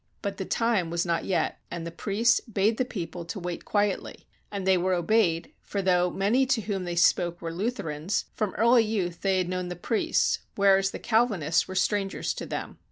But the time was not yet, and the priests bade the people to wait quietly, and they were obeyed; for though many to whom they spoke were Lutherans, from early youth they had known the priests, whereas the Calvinists were strangers to them.